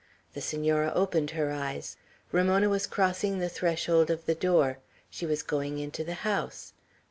The Senora opened her eyes. Ramona was crossing the threshold of the door; she was going into the house.